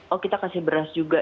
oh kita kasih beras juga